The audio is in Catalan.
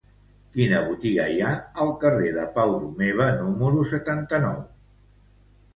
Quina botiga hi ha al carrer de Pau Romeva número setanta-nou?